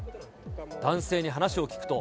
男性に話を聞くと。